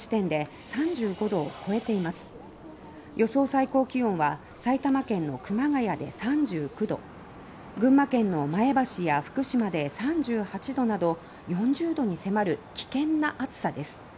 最高気温は埼玉県の熊谷で３９度群馬県の前橋や福島で３８度など４０度に迫る危険な暑さです。